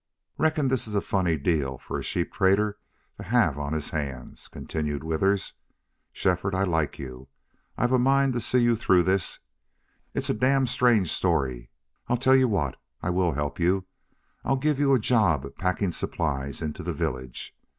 "Reckon this is a funny deal for a sheep trader to have on his hands," continued Withers. "Shefford, I like you. I've a mind to see you through this. It's a damn strange story.... I'll tell you what I will help you. I'll give you a job packing supplies in to the village.